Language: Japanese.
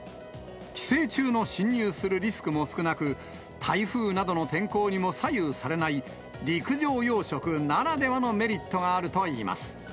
寄生虫の侵入するリスクも少なく、台風などの天候にも左右されない陸上養殖ならではのメリットがあるといいます。